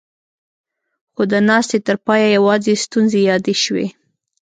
خو د ناستې تر پايه يواځې ستونزې يادې شوې.